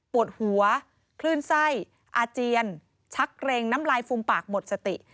ปวดหัวคลื่นไส้อาเจียนชักเกร็งน้ำลายฟูมปากหมดสติ